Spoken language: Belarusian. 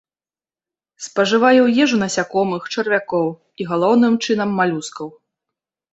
Спажывае ў ежу насякомых, чарвякоў і, галоўным чынам, малюскаў.